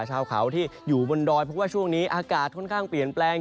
ชาวเขาที่อยู่บนดอยเพราะว่าช่วงนี้อากาศค่อนข้างเปลี่ยนแปลง